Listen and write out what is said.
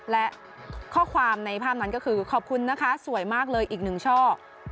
และข้อความในภาพนั้นก็คือขอบคุณนะคะสวยมากเลยอีกหนึ่งช่อ